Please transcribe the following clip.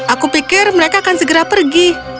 aku pikir mereka akan segera pergi